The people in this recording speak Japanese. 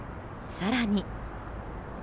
更に。